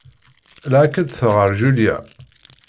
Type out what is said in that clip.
La ak-d-teɣɣar Julia.